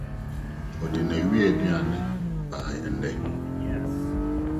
Ɔde n'awia aduan bae nnɛ.